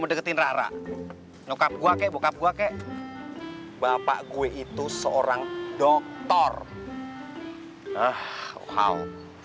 deketin rara nukap gua kek bokap gua kek bapak gue itu seorang dokter ah wow